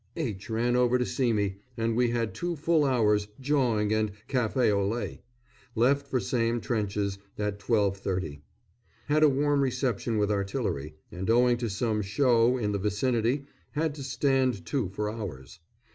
_ H. ran over to see me, and we had two full hours' "jawing," and café au lait. Left for same trenches at 12.30. Had a warm reception with artillery, and owing to some "show" in the vicinity had to stand to for hours.